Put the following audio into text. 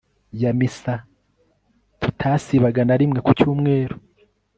ya misa tutasibaga narimwe kucyumweru